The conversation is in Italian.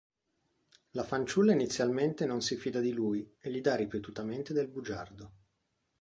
La fanciulla inizialmente non si fida di lui e gli dà ripetutamente del bugiardo.